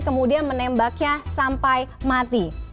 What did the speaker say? kemudian menembaknya sampai mati